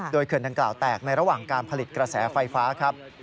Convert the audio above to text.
โดยเขื่อนดังกล่าวแตกในระหว่างการผลิตกระแสไฟฟ้าครับ